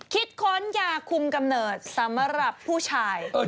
ค้นยาคุมกำเนิดสำหรับผู้ชาย